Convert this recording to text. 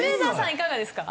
いかがですか？